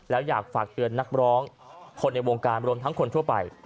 แล้วอยากฝากเตือนนักร้องคนในวงการรวมทั้งคนทั่วไป